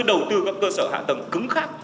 đầu tư các cơ sở hạ tầng cứng khác